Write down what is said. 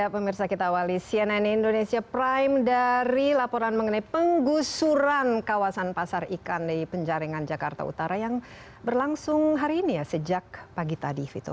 pemirsa kita awali cnn indonesia prime dari laporan mengenai penggusuran kawasan pasar ikan di penjaringan jakarta utara yang berlangsung hari ini ya sejak pagi tadi vito